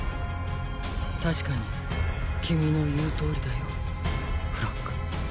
確かに君の言うとおりだよフロック。